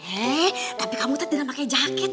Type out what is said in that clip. eh tapi kamu tetap tidak pakai jaket